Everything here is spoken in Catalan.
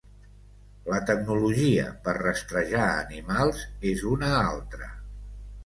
La tecnologia per rastrejar animals és una altra.